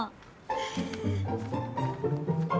へえ。